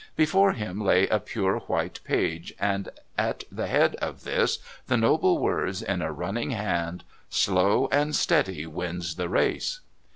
Before him lay a pure white page, and at the head of this the noble words in a running hand: "Slow and steady wins the race."